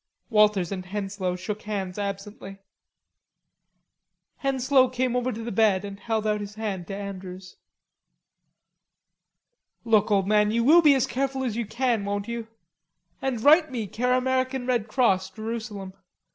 Walters and Henslowe shook hands absently. Henslowe came over to the bed and held out his hand to Andrews. "Look, old man, you will be as careful as you can, won't you? And write me care American Red Cross, Jerusalem.